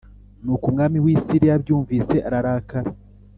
Nuko umwami w’i Siriya abyumvise ararakara